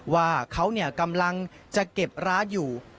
ว่าเขากำลังจะเก็บร้านอยู่